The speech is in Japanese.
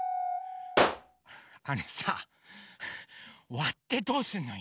あのさわってどうすんのよ？